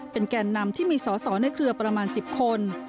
แก่นนำที่มีสอสอในเครือประมาณ๑๐คน